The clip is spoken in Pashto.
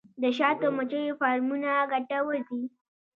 د شاتو مچیو فارمونه ګټور دي